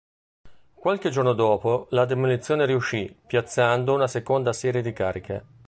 Qualche giorno dopo la demolizione riuscì piazzando una seconda serie di cariche.